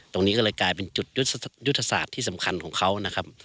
ตรงนี้ก็เลยกลายเป็นจุดยุทธศาสตร์ที่สำคัญของเขานะครับ